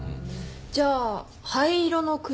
じゃあ「灰色のくに」？